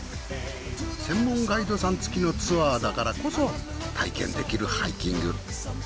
専門ガイドさん付きのツアーだからこそ体験できるハイキング。